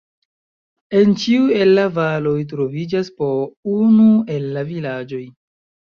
En ĉiu el la valoj troviĝas po unu el la vilaĝoj.